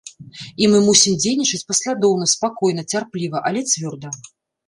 І мы мусім дзейнічаць паслядоўна, спакойна, цярпліва, але цвёрда.